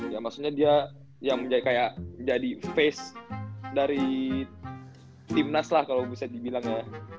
ya maksudnya dia yang menjadi kayak jadi face dari timnas lah kalau bisa dibilang ya